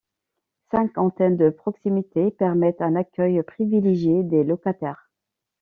Cinq antennes de proximité permettent un accueil privilégié des locataires.